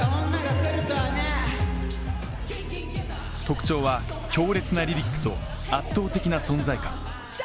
特徴は、強烈なリリックと、圧倒的な存在感。